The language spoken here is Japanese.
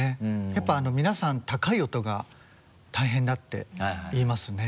やっぱ皆さん高い音が大変だって言いますね。